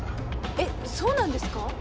えっそうなんですか？